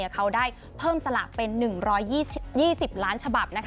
เขาได้เพิ่มสลากเป็น๑๒๐ล้านฉบับ